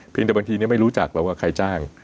เพียงแต่บางทีไม่รู้จักแล้วว่าใครจ้าง